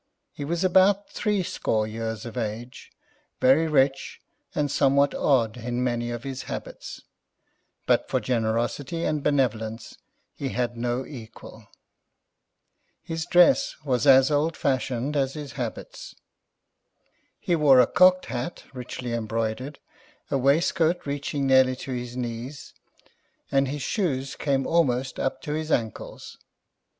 He was about three score years of age, very rich, and somewhat odd in many of his habits, but for generosity and benevolence he had no equal. His dress was as old fashioned as his habits. He wore a cocked hat, richly embroidered, a waistcoat reaching nearly to his knees, and his shoes came almost up to his ancles.